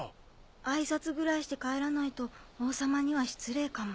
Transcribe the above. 挨拶ぐらいして帰らないと王様には失礼かも。